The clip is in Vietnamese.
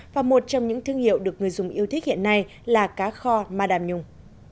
và một trong những thương hiệu được người dùng yêu thích hiện nay là cá kho madam nhung